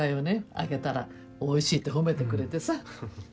あげたらおいしいって褒めてくれてさ。